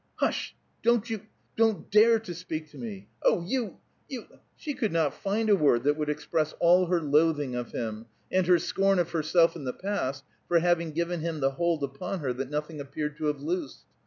"Hush! Don't you don't dare to speak to me! Oh, you you " She could not find a word that would express all her loathing of him, and her scorn of herself in the past for having given him the hold upon her that nothing appeared to have loosed.